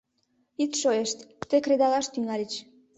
Ит шойышт: тый кредалаш тӱҥальыч.